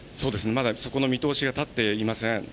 まだそこの見通しが立っていません。